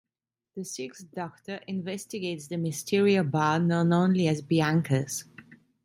The Sixth Doctor investigates the mysterious bar known only as "Bianca's".